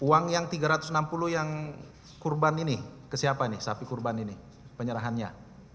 uang yang tiga ratus enam puluh yang kurban ini ke siapa ini sapi kurban ini penyerahannya